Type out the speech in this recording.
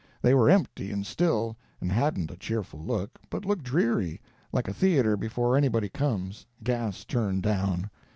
They were empty and still, and hadn't a cheerful look, but looked dreary, like a theatre before anybody comes—gas turned down.